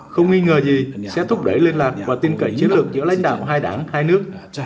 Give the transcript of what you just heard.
không nghi ngờ gì sẽ thúc đẩy liên lạc và tin cậy chiến lược giữa lãnh đạo hai đảng hai nước